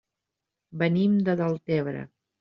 Venim de Deltebre.